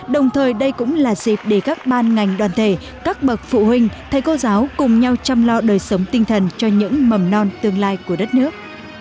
đồng thời đây cũng là dịp để các ban ngành đoàn thể các bậc phụ huynh thầy cô giáo cùng nhau chăm lo đời sống tinh thần cho những mầm non tương lai của đất nước